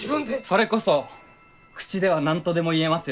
それこそ口では何とでも言えますよ。